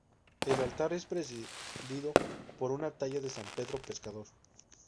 El altar es precedido por una talla de San Pedro Pescador.